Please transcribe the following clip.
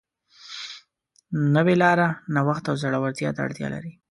نوې لاره نوښت او زړهورتیا ته اړتیا لري.